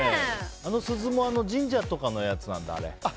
あの鈴も神社とかのやつなんだ。